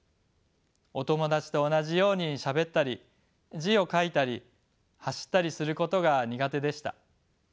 お友達と同じようにしゃべったり字を書いたり走ったりすることが苦手でした。